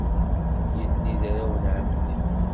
Nitni d arraw n ɛemmti.